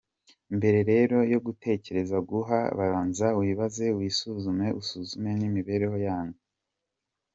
Mbere reroyo gutekereza guhaga, banza wibaze, wisuzume usuzume n’imibereho yanyu.